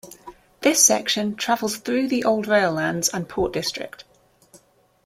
This section travels through the old rail lands and port district.